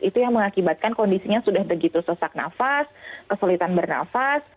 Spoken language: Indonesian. itu yang mengakibatkan kondisinya sudah begitu sesak nafas kesulitan bernafas